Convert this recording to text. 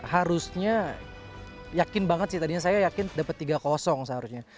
harusnya yakin banget sih tadinya saya yakin dapat tiga seharusnya